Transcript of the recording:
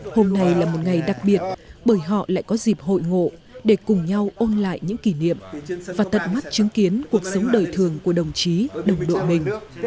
hôm nay là một ngày đặc biệt bởi họ lại có dịp hội ngộ để cùng nhau ôn lại những kỷ niệm và tật mắt chứng kiến cuộc sống đời thường của đồng chí đồng đội mình